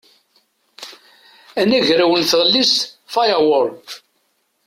Anagraw n tɣellist firewall.